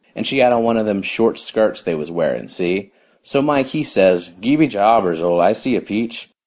And she had on one of them short skirts they was wearing, see? So Mike he says 'Gee be jabbers, Ole, I see a peach.'